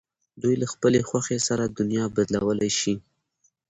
دوی له خپلې خوښې سره دنیا بدلولای شي.